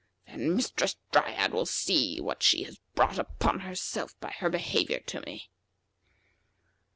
Then Mistress Dryad will see what she has brought upon herself by her behavior to me."